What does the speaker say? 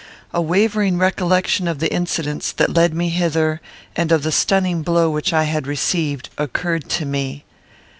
A wavering recollection of the incidents that led me hither, and of the stunning blow which I had received, occurred to me.